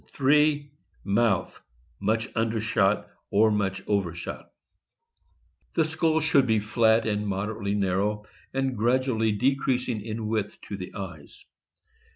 3. — Mouth, much undershot or much overshot. The skull should be flat and moderately narrow, and gradually decreasing in width to the eyes.